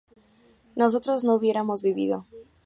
nosotros no hubiéramos vivido